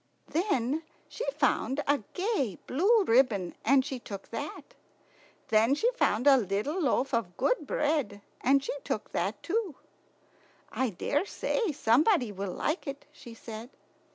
Then she found a gay blue ribbon, and she took that. Then she found a little loaf of good bread, and she took that too. "I daresay somebody will like it," she said.